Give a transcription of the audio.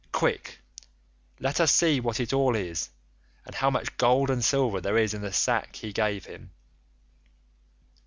Quick—let us see what it all is, and how much gold and silver there is in the sack he gave him.